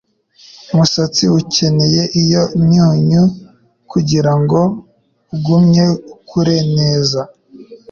umusatsi ukeneye iyo myunyu kugirango ugumye ukure neza